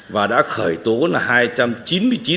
và đã khởi tố là hai trăm linh vụ